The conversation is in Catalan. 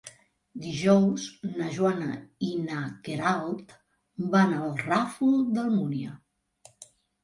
Dijous na Joana i na Queralt van al Ràfol d'Almúnia.